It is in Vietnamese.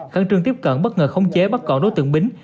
khẳng trương tiếp cận bất ngờ không chế bắt gọn đối tượng bính